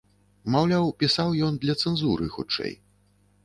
Маўляў, пісаў ён для цэнзуры хутчэй.